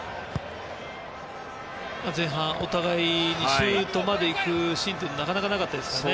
前半、お互いシュートまでいくシーンがなかなかなかったですからね。